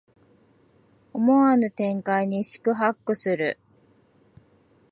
思わぬ展開に四苦八苦する